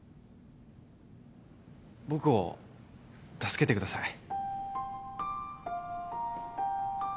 僕を助けてください